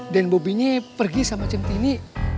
dan bobinya pergi sama centini